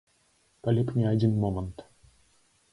Калі б не адзін момант.